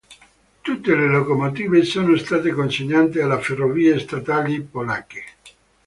Tutte le locomotive sono state consegnate alle Ferrovie statali polacche.